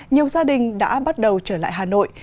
nhiều gia đình đã bắt đầu trở lại hà nội